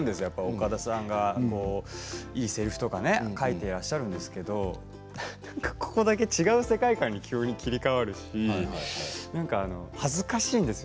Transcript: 岡田さんがいいせりふとか書いてらっしゃるんですけどここだけ違う世界観に急に切り替わるしなんか恥ずかしいんですよ